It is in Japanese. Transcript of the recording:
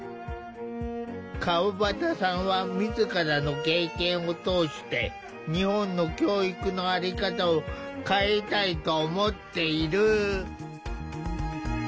川端さんは自らの経験を通して日本の教育の在り方を変えたいと思っている。